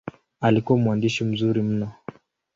Alikuwa mwandishi mzuri mno.